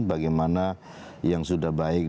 bagaimana yang sudah baik